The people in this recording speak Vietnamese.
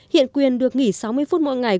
hiện quyền được nghỉ sáu mươi phút mỗi ngày